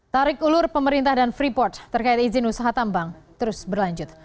tarik ulur pemerintah dan freeport terkait izin usaha tambang terus berlanjut